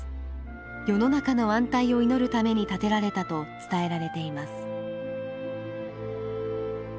世の中の安泰を祈るために建てられたと伝えられています。